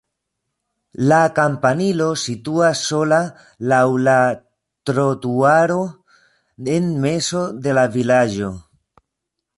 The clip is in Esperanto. La kampanilo situas sola laŭ la trotuaro en mezo de la vilaĝo.